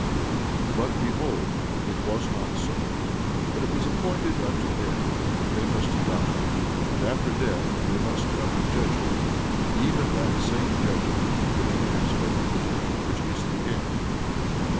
12:27 But behold, it was not so; but it was appointed unto men that they must die; and after death, they must come to judgment, even that same judgment of which we have spoken, which is the end.